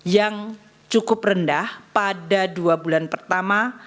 yang cukup rendah pada dua bulan pertama